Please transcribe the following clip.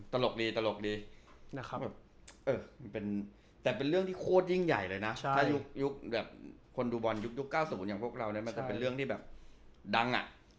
ตลกดีแต่เป็นเรื่องที่โคตรยิ่งใหญ่เลยนะคนดูบอลยุค๙๐อย่างพวกเรานั้นมันจะเป็นเรื่องที่แบบดังอ่ะ